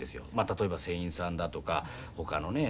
例えば船員さんだとか他のね